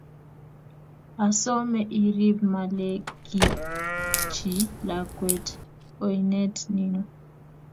asome irib malekitji lakwet oinet nino